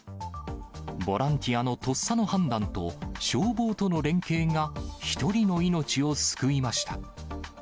ボランティアのとっさの判断と、消防との連携が１人の命を救いました。